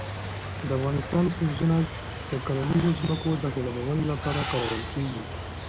د افغانستان سیندونه د کرنیزو ځمکو د خړوبولو لپاره کارول کېږي.